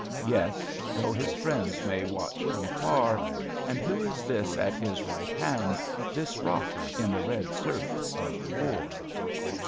Yes, though His friends may watch from far — And who is this at His right hand, This Rock in the red surf of war?